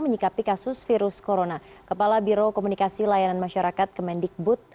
menyikapi kasus virus corona kepala biro komunikasi layanan masyarakat kemendikbud